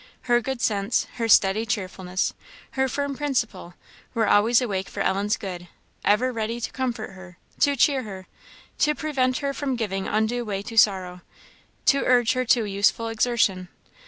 Her good sense, her steady cheerfulness, her firm principle, were always awake for Ellen's good ever ready to comfort her, to cheer her, to prevent her from giving undue way to sorrow, to urge her to useful exertion.